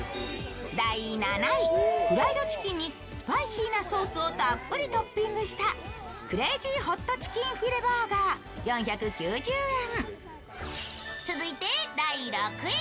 フライドチキンにスパイスソースをたっぷりトッピングしたクレイジーホットチキンフィレバーガー、４９０円。